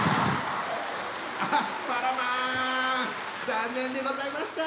残念でございました。